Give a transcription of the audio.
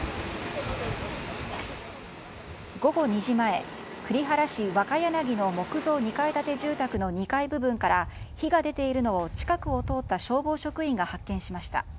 午後２時前栗原市若柳の木造２階建て住宅の２階部分から火が出ているのを近くを通った消防職員が発見しました。